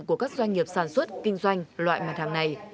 của các doanh nghiệp sản xuất kinh doanh loại mặt hàng này